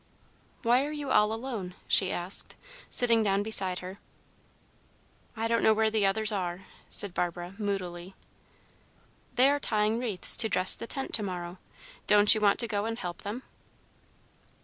"Why are you all alone?" she asked, sitting down beside her. "I don't know where the others are," said Barbara, moodily. "They are tying wreaths to dress the tent to morrow. Don't you want to go and help them?"